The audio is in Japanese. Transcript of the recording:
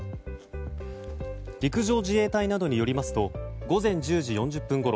陸上自衛隊などによりますと午前１０時４０分ごろ